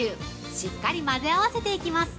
しっかり混ぜ合わせていきます。